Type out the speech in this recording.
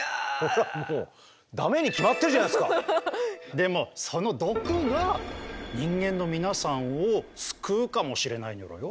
でもその毒が人間の皆さんを救うかもしれないニョロよ。